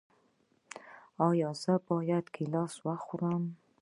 ایا زه باید ګیلاس وخورم؟